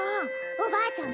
おばあちゃん